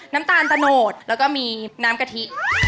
น้ำตาลตะโนดแล้วก็มีน้ำกะทิ